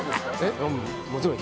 もちろん。